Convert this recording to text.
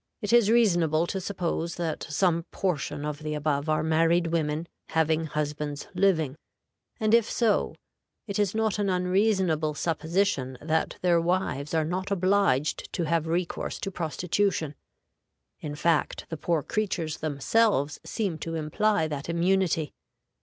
It is reasonable to suppose that some portion of the above are married women having husbands living, and if so, it is not an unreasonable supposition that their wives are not obliged to have recourse to prostitution; in fact, the poor creatures themselves seem to imply that immunity.